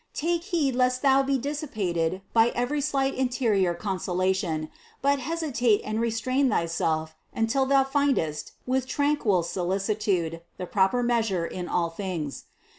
Take heed lest thou be dissipated by every slight interior consolation, but hesitate and re strain thyself until thou findest with tranquil solicitude the proper measure in all things.